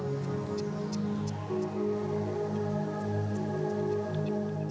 pianingih akrab di sapa pia